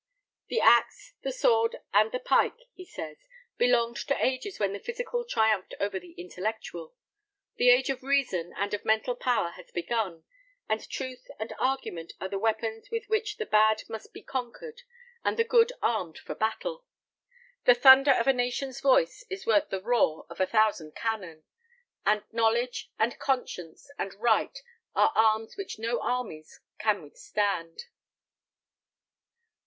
"The axe, the sword, and the pike," he says, "belonged to ages when the physical triumphed over the intellectual. The age of reason and of mental power has begun, and truth and argument are the weapons with which the bad must be conquered, and the good armed for battle. The thunder of a nation's voice is worth the roar of a thousand cannon; and knowledge, and conscience, and right, are arms which no armies can withstand."